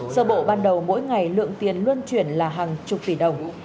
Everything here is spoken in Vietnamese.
sơ bộ ban đầu mỗi ngày lượng tiền luân chuyển là hàng chục tỷ đồng